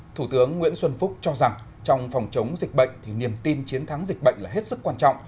thủ tướng nguyễn xuân phúc cho rằng trong phòng chống dịch bệnh thì niềm tin chiến thắng dịch bệnh là hết sức quan trọng